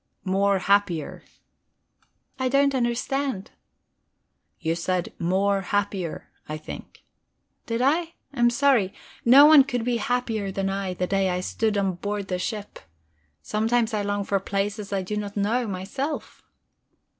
"'More happier.'" "I don't understand." "You said 'more happier,' I think." "Did I? I'm sorry. No one could be happier than I the day I stood on board the ship. Sometimes I long for places I do not know myself."